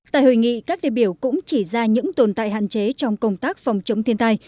tại hội nghị các đề biểu cũng chỉ ra những tồn tại hạn chế trong công tác phòng chống thiên tai